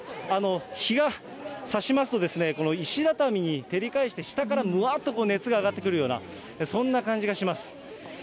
日がさしますと、この石畳に照り返して、下からむわっと熱が上がってくるような、そんな感じがします。